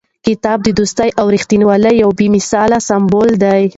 کتاب د دوستۍ او رښتینولۍ یو بې مثاله سمبول دی.